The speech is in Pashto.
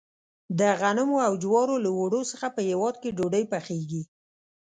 د غنمو او جوارو له اوړو څخه په هیواد کې ډوډۍ پخیږي.